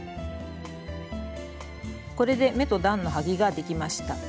これで目と段のはぎができました。